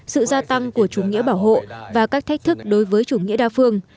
sự gia tăng của chủ nghĩa bảo hộ và các thách thức đối với chủ nghĩa đa phương